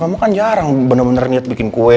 memang kan jarang bener bener niat bikin kue